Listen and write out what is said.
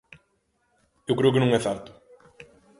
Eu creo que non é certo.